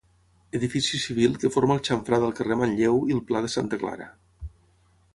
Edifici civil que forma el xamfrà del carrer Manlleu i el pla de Santa Clara.